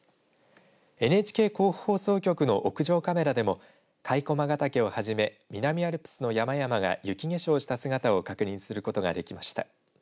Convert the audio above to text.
ＮＨＫ甲府放送局の屋上カメラでも甲斐駒ヶ岳をはじめ南アルプスの山々が雪化粧した姿を確認することができました。